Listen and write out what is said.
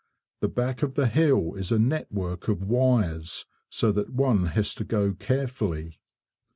The back of the hill is a network of wires, so that one has to go carefully.